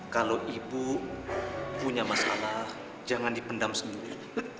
kalau ibu punya masalah jangan dipendam sendiri